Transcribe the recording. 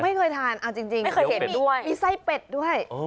ไม่เคยทานเอาจริงเคยเห็นด้วยมีไส้เป็ดด้วย